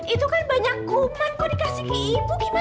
itu kan banyak kuman kok dikasih ke ibu